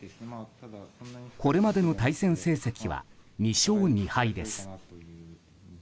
これまでの対戦成績は２勝２敗です。